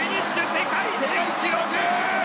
世界新記録！